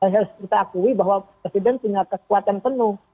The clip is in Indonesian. harus kita akui bahwa presiden punya kekuatan penuh